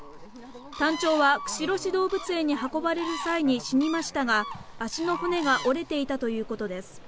タンチョウは釧路市動物園に運ばれる際に死にましたが足の骨が折れていたということです。